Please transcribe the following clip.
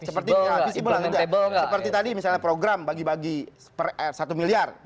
seperti tadi misalnya program bagi bagi satu miliar